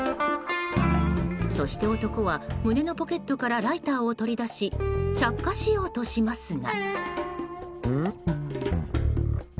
そして、男は胸のポケットからライターを取り出し着火しようとしますが。